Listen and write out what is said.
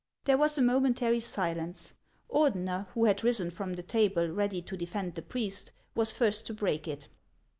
There was a momentary silence. Ordeuer, who had risen from the table ready to defend the priest, was first to break it.